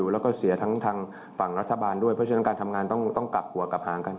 แล้วก็เสียทั้งทางฝั่งรัฐบาลด้วยเพราะฉะนั้นการทำงานต้องกลับหัวกลับหางกัน